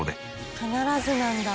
「必ずなんだ」